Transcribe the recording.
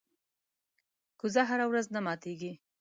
کوزه هره ورځ نه ماتېږي.